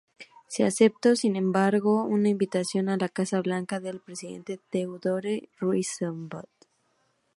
Sí aceptó, sin embargo, una invitación a la Casa Blanca del presidente Theodore Roosevelt.